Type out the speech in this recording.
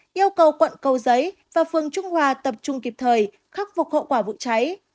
yêu cầu quận câu giấy và phường trung hòa tập trung kịp thời khắc phục hậu quả vụ cháy